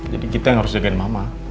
jadi kita yang harus jagain mama